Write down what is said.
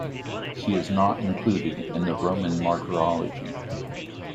She is not included in the Roman Martyrology.